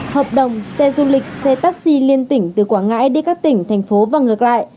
hợp đồng xe du lịch xe taxi liên tỉnh từ quảng ngãi đi các tỉnh thành phố và ngược lại